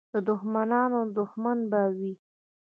د دښمنانو دښمن به وي.